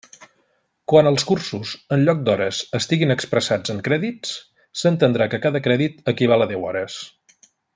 Quan els cursos, en lloc d'hores, estiguin expressats en crèdits, s'entendrà que cada crèdit equival a deu hores.